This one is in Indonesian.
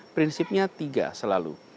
prinsipnya tiga selalu